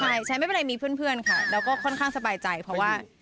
ใช่ฉันไม่เป็นไรมีเพื่อนค่ะแล้วก็ค่อนข้างสบายใจเพราะว่า